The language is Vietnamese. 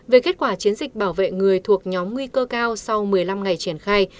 về kết quả chiến dịch bảo vệ người thuộc nhóm nguy cơ cao sau một mươi năm ngày triển khai